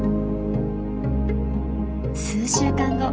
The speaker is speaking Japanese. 数週間後。